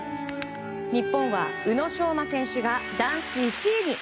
日本は宇野昌磨選手が男子１位に。